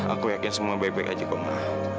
aku yakin semua baik baik aja kok mah